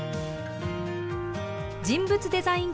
人物デザイン